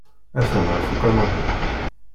Atan ɣef ukanapi.